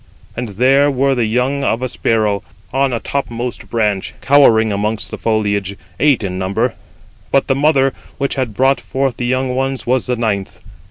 And there were the young of a sparrow, an infant offspring, on a topmost branch, cowering amongst the foliage, eight in number; but the mother, which had brought forth the young ones, was the ninth.